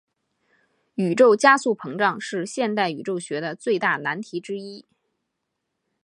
宇宙加速膨胀是现代宇宙学的最大难题之一。